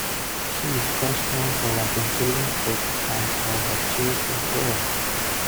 She is best known for writing children's books, and for her cheerful poems.